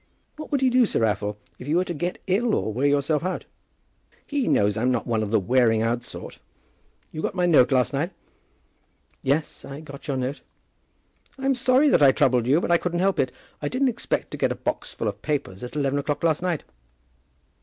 "What would he do, Sir Raffle, if you were to get ill, or wear yourself out?" "He knows I'm not one of the wearing out sort. You got my note last night?" "Yes; I got your note." "I'm sorry that I troubled you; but I couldn't help it. I didn't expect to get a box full of papers at eleven o'clock last night."